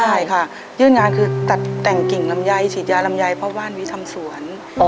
ใช่ค่ะยื่นงานคือตัดแต่งกิ่งลำไยฉีดยาลำไยเพราะว่านวิทำสวน